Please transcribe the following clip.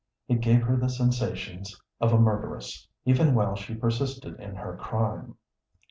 It gave her the sensations of a murderess, even while she persisted in her crime.